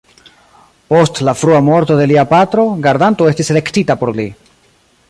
Post la frua morto de lia patro, gardanto estis elektita por li.